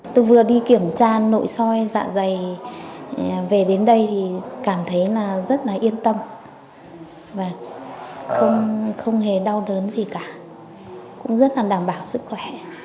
tôi vừa đi kiểm tra nội soi dạ dày về đến đây thì cảm thấy rất yên tâm không hề đau đớn gì cả cũng rất đảm bảo sức khỏe